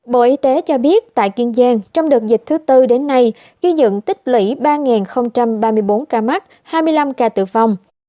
bộ y tế cho biết tại kiên giang trong đợt dịch thứ tư đến nay ghi nhận tích lũy ba ba mươi bốn ca mắc hai mươi năm ca tử vong